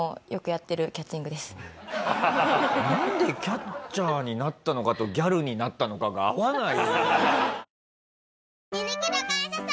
なんでキャッチャーになったのかとギャルになったのかが合わない。